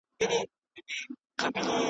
د چا لاس چي د خپل قام په وینو سور وي .